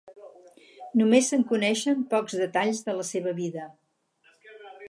Només se'n coneixen pocs detalls de la seva vida.